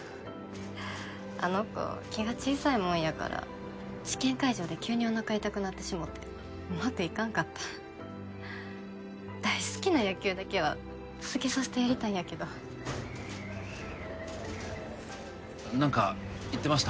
あの子気が小さいもんやから試験会場で急におなか痛くなってしもてうまくいかんかった大好きな野球だけは続けさせてやりたいんやけど何か言ってました？